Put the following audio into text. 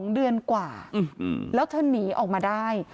๒เดือนกว่าแล้วเธอหนีออกมาได้